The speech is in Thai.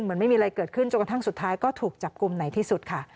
ไม่มีอะไรเกิดขึ้นจนกระทั่งสุดท้ายก็ถูกจับกลุ่มไหนที่สุดค่ะ